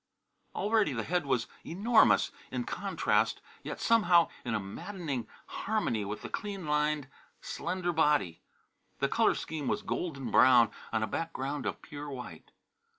Already the head was enormous, in contrast, yet somehow in a maddening harmony with the clean lined slender body. The colour scheme was golden brown on a background of pure white.